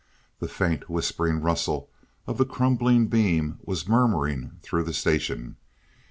The faint, whispering rustle of the crumbling beam was murmuring through the station.